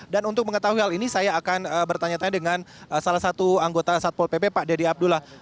dan untuk mengetahui hal ini saya akan bertanya tanya dengan salah satu anggota satpol pp pak deddy abdullah